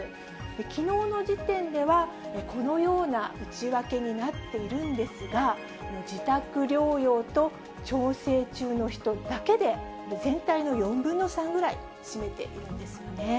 きのうの時点では、このような内訳になっているんですが、自宅療養と調整中の人だけで、全体の４分の３ぐらい占めているんですよね。